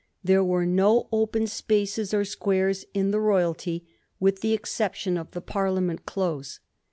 There were no open spaces or squares in the royalty, with the exception of the Parliament Close.